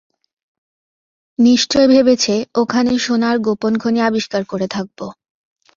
নিশ্চয় ভেবেছে, ওখানে সোনার গোপন খনি আবিষ্কার করে থাকব।